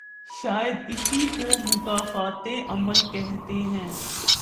شاید اسی کو مکافات عمل کہتے ہیں۔